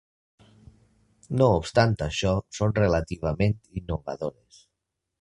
No obstant això, són relativament innovadores.